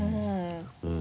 うん。